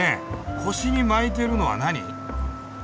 腰に巻いてるのは何？